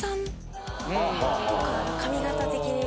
髪形的に。